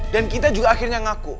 dan kita juga akhirnya ngaku